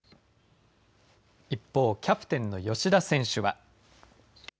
一方、キャプテンの吉田選手は。